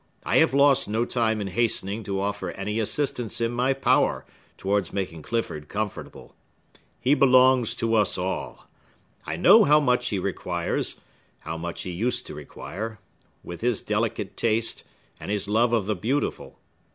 I have lost no time in hastening to offer any assistance in my power towards making Clifford comfortable. He belongs to us all. I know how much he requires,—how much he used to require,—with his delicate taste, and his love of the beautiful.